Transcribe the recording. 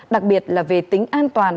đặc biệt là về tính an toàn